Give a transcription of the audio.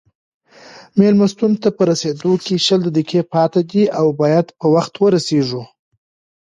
مېلمستون ته په رسېدو کې شل دقیقې پاتې دي او باید په وخت ورسېږو.